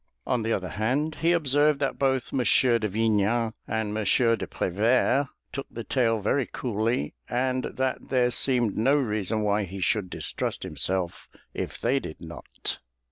On the other hand, he observed that both M. de Vignan and M. de Prevert took the tale very coolly and that there seemed no reason why he should distrust himself if they did not.